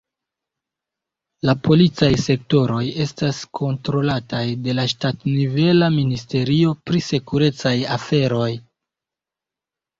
La policaj sektoroj estas kontrolataj de la ŝtatnivela ministerio pri sekurecaj aferoj.